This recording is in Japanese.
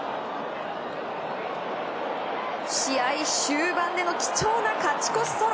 試合終盤での貴重な勝ち越しソロ。